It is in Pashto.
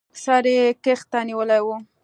سر يې کښته نيولى و.